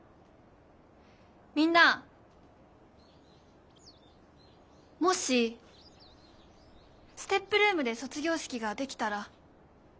みんなもしＳＴＥＰルームで卒業式ができたら出られる？